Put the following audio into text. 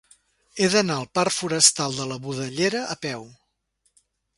He d'anar a la parc Forestal de la Budellera a peu.